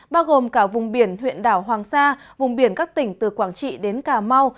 bao gồm cả vùng biển huyện đảo hoàng sa vùng biển các tỉnh từ quảng trị đến cà mau